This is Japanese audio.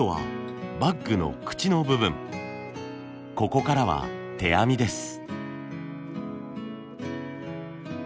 ここからは手編みです。